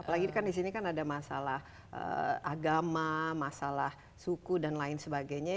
apalagi kan di sini kan ada masalah agama masalah suku dan lain sebagainya